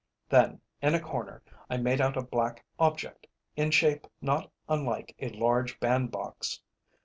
Then, in a corner, I made out a black object, in shape not unlike a large band box.